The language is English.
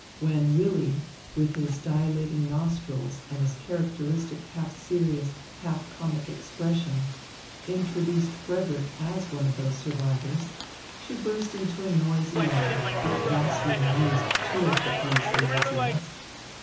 When Willy, with his dilating nostrils and his characteristic half serious, half comic expression, introduced Frederick as one of those survivors, she burst into a noisy laugh, which vastly amused two of the three Silesians.